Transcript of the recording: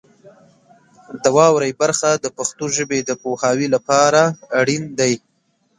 د واورئ برخه د پښتو ژبې د پوهاوي لپاره اړین دی.